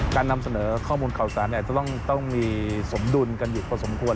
นำเสนอข้อมูลข่าวสารจะต้องมีสมดุลกันอยู่พอสมควร